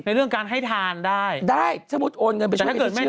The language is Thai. ในเรื่องการให้ทานได้ได้สมมุติโอนเงินไปช่วยในที่เชื่อ